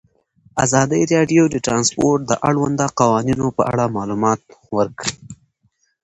ازادي راډیو د ترانسپورټ د اړونده قوانینو په اړه معلومات ورکړي.